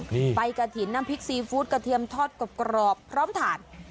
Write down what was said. นี่ใบกระถิ่นน้ำพริกซีฟู้ดกระเทียมทอดกรอบพร้อมถาด